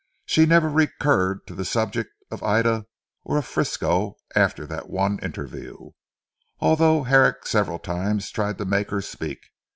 She never recurred to the subject of Ida or of Frisco after that one interview, although Herrick several times tried to make her speak.